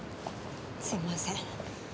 すいません。